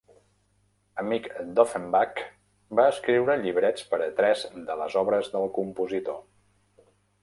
Amic d'Offenbach, va escriure llibrets per a tres de les obres del compositor.